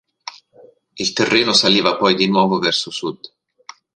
Il terreno saliva poi di nuovo verso Sud.